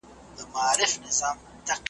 ¬ د مارگير مرگ د ماره وي.